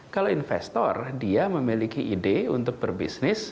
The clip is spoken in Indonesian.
kalau investor dia memiliki ide untuk berbisnis